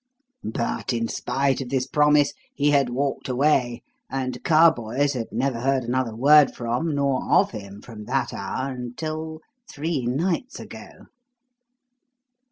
But, in spite of this promise, he had walked away, and Carboys had never heard another word from nor of him from that hour until three nights ago."